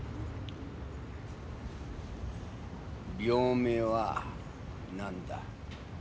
病名は何だ？